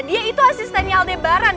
dia itu asistennya aldebaran